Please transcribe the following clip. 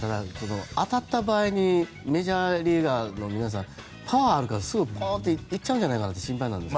当たった場合にメジャーリーガーの皆さんパワーがあるからすぐにポーンって行っちゃうんじゃないかなって心配になるんですが。